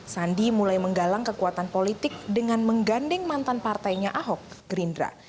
sandi mulai menggalang kekuatan politik dengan menggandeng mantan partainya ahok gerindra